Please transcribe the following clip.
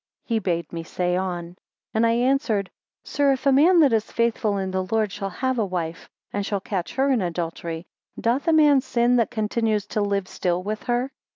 He bade me say on. And I answered, Sir, if a man that is faithful in the Lord shall have a wife, and shall catch her in adultery; doth a man sin that continues to live still with her?